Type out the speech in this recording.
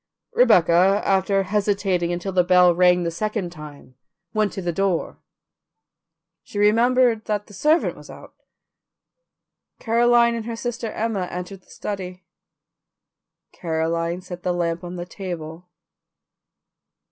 Rebecca, after hesitating until the bell rang the second time, went to the door; she remembered that the servant was out. Caroline and her sister Emma entered the study. Caroline set the lamp on the table.